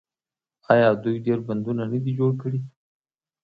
آیا دوی ډیر بندونه نه دي جوړ کړي؟